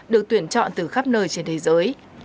được tuyển chọn từ khắp nơi trên thế giới